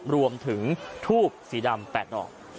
รวมถึงทูบสีดำ๘ดอก